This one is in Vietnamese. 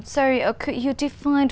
chúng ta cũng sử dụng